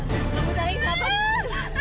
kamu dahi dapat